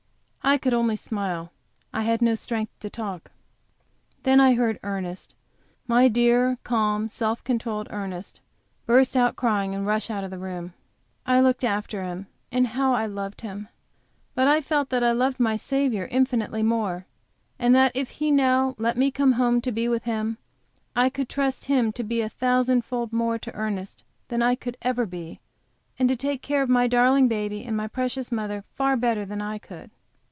I could only smile; I had no strength to talk. Then I heard Ernest my dear, calm, self controlled Ernest burst out crying and rush out of the room. I looked after him, and how I loved him! But I felt that I loved my Saviour infinitely more, and that if He now let me come home to be with Him I could trust Him to be a thousand fold more to Ernest than I could ever be, and to take care of my darling baby and my precious mother far better than I could.